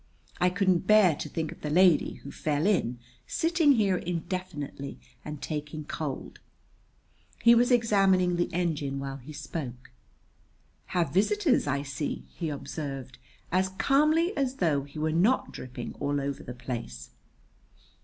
I couldn't bear to think of the lady who fell in sitting here indefinitely and taking cold." He was examining the engine while he spoke. "Have visitors, I see," he observed, as calmly as though he were not dripping all over the place.